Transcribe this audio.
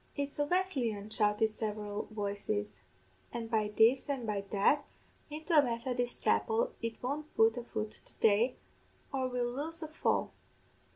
'It's a Wesleyan,' shouted several voices; 'an' by this an' by that, into a Methodist chapel it won't put a foot to day, or we'll lose a fall.